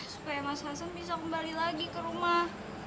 supaya mas hasan bisa kembali lagi ke rumah